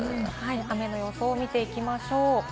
雨の様子を見ていきましょう。